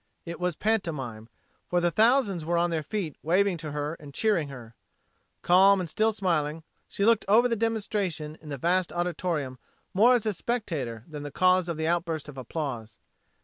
It was pantomime, for the thousands were on their feet waving to her and cheering her. Calm and still smiling, she looked over the demonstration in the vast auditorium more as a spectator than as the cause of the outburst of applause.